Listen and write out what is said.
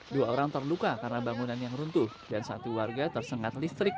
dua orang terluka karena bangunan yang runtuh dan satu warga tersengat listrik